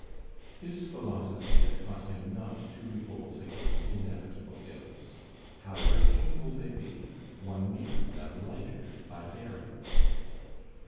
His philosophy had taught him not to revolt against inevitable ills. However painful they be, one makes them lighter by bearing them.